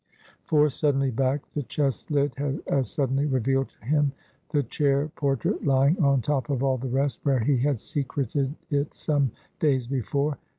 Forced suddenly back, the chest lid had as suddenly revealed to him the chair portrait lying on top of all the rest, where he had secreted it some days before.